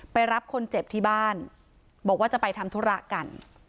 รับคนเจ็บที่บ้านบอกว่าจะไปทำธุระกัน